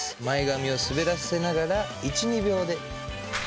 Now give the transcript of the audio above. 前髪をすべらせながら１２秒で。